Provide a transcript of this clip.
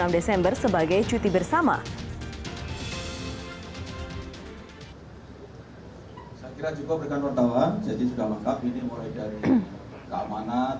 dua puluh enam desember sebagai cuti bersama kira kira juga berikan pertolongan jadi sudah lengkap